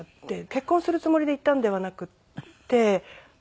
結婚するつもりで行ったんではなくて。